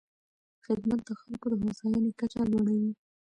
خدمت د خلکو د هوساینې کچه لوړوي.